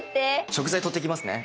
食材取ってきますね。